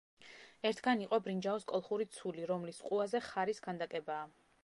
ერთგან იყო ბრინჯაოს კოლხური ცული, რომლის ყუაზე ხარის ქანდაკებაა.